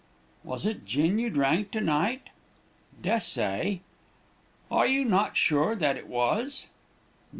"'Was it gin you drank to night?' "'Des'say.' "'Are you not sure that it was?'